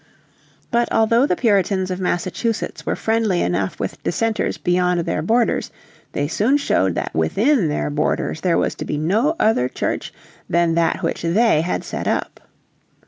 But although the Puritans of Massachusetts were friendly enough with dissenters beyond their borders they soon showed that within their borders there was to be no other Church than that which they had set up.